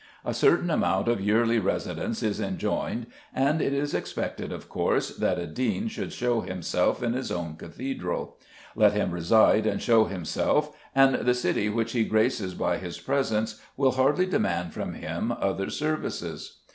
A certain amount of yearly residence is enjoined; and it is expected, of course, that a dean should show himself in his own cathedral. Let him reside and show himself, and the city which he graces by his presence will hardly demand from him other services.